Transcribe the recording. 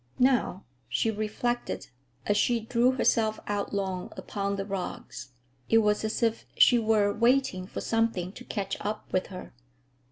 Now, she reflected, as she drew herself out long upon the rugs, it was as if she were waiting for something to catch up with her.